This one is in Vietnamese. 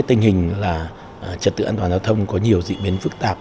tình hình là trật tự an toàn giao thông có nhiều dị biến phức tạp